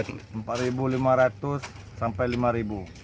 dari rp empat lima ratus sampai rp lima